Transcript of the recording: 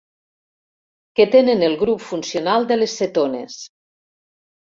Que tenen el grup funcional de les cetones.